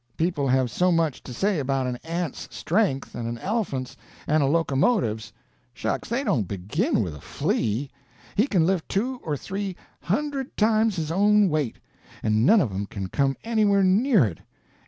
People have so much to say about an ant's strength, and an elephant's, and a locomotive's. Shucks, they don't begin with a flea. He can lift two or three hundred times his own weight. And none of them can come anywhere near it.